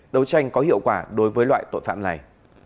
đấu tranh có hiệu quả đối với loại tội phạm này